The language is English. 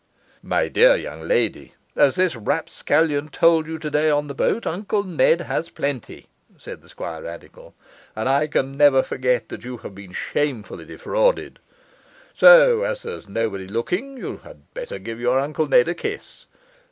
'My dear young lady, as this rapscallion told you today on the boat, Uncle Ned has plenty,' said the Squirradical, 'and I can never forget that you have been shamefully defrauded. So as there's nobody looking, you had better give your Uncle Ned a kiss.